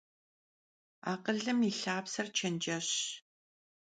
Akhılım yi lhapser çenceşş.